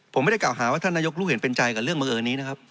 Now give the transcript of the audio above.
ผมไม่ได้กล่าวหาว่าท่านนายกรู้เห็นเป็นใจกับเรื่องบังเอิญนี้นะครับ